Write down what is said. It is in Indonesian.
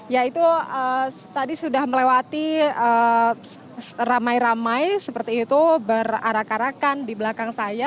yaitu tadi sudah melewati ramai ramai seperti itu berarak arakan di belakang saya